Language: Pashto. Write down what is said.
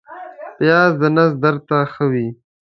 پیاز د نس درد ته ښه وي